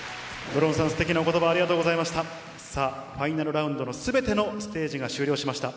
ブロウンさん、すてきなおことばありがとうございました。